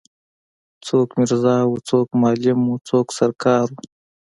څوک میرزا وو څوک معلم وو څوک سر کار وو.